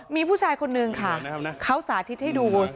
มีผู้ชายคนนึงค่ะเขาสาธิตให้ดู